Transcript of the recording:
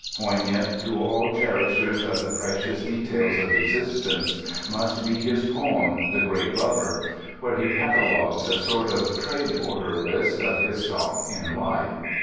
Poignant to all cherishers of the precious details of existence must be his poem The Great Lover where he catalogues a sort of trade order list of his stock in life.